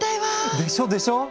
でしょでしょ！